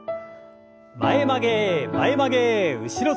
前曲げ前曲げ後ろ反り。